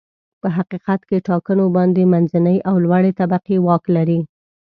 په حقیقت کې ټاکنو باندې منځنۍ او لوړې طبقې واک لري.